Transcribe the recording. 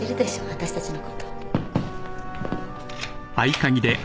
私たちのこと。